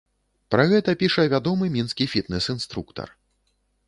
Пра гэта піша вядомы мінскі фітнэс-інструктар.